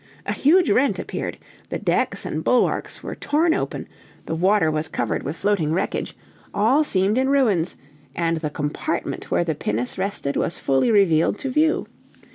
A huge rent appeared, the decks and bulwarks were torn open, the water was covered with floating wreckage all seemed in ruins; and the compartment where the pinnace rested was fully revealed to view.